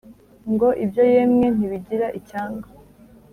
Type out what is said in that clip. ngo ibyo yemwe ntibigira icyanga